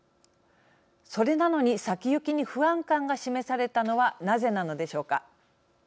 それなのに、先行きに不安感が示されたのはなぜなのでしょうか。